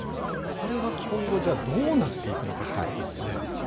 これは今後、じゃあ、どうなっていくのかということですよね。